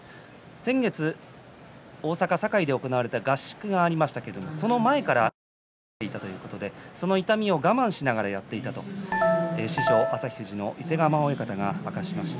先月、大阪・堺で行われた合宿がありましたけれどもその前から痛みが出ていたということでその痛みを我慢しながらやっていたと師匠旭富士の伊勢ヶ濱親方が明かしました。